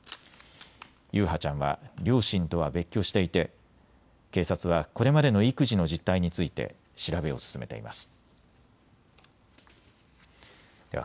優陽ちゃんは両親とは別居していて警察はこれまでの育児の実態について調べを進めています。